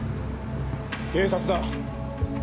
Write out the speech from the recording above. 警察だ。